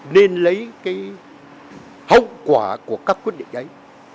nên lấy cái hậu quả của các quyết định ấy